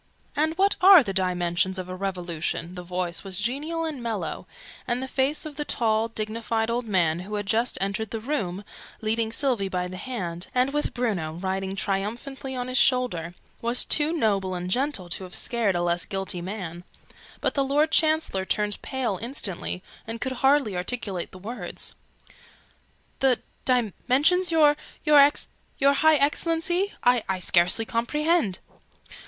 "And what are the dimensions of a Revolution?" The voice was genial and mellow, and the face of the tall dignified old man, who had just entered the room, leading Sylvie by the hand, and with Bruno riding triumphantly on his shoulder, was too noble and gentle to have scared a less guilty man: but the Lord Chancellor turned pale instantly, and could hardly articulate the words "The dimensions your your High Excellency? I I scarcely comprehend!"